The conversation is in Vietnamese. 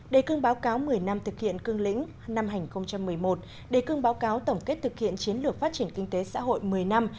đề cương báo cáo một mươi năm thực hiện cương lĩnh năm hai nghìn một mươi một đề cương báo cáo tổng kết thực hiện chiến lược phát triển kinh tế xã hội một mươi năm